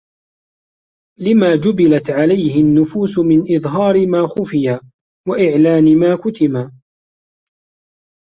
لِمَا جُبِلَتْ عَلَيْهِ النُّفُوسُ مِنْ إظْهَارِ مَا خُفِّي وَإِعْلَانُ مَا كُتِمَ